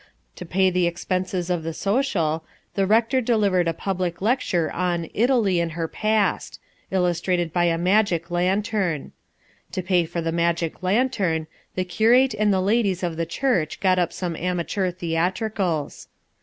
To pay the expenses of the social, the rector delivered a public lecture on "Italy and Her Past," illustrated by a magic lantern. To pay for the magic lantern, the curate and the ladies of the church got up some amateur theatricals.